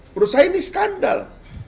menurut saya ini skandal